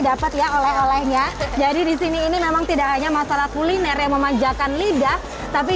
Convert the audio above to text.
dapat ya oleh olehnya jadi disini ini memang tidak hanya masalah kuliner yang memanjakan lidah tapi